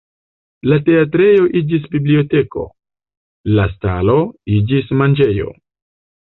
La teatrejo iĝis biblioteko, la stalo iĝis manĝejo.